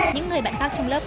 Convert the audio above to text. những người bạn bác trong lớp